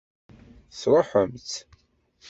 Tesṛuḥem-tt?